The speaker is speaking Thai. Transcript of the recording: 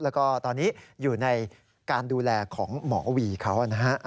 แล้วก็ตอนนี้อยู่ในการดูแลของหมอวีเขานะฮะ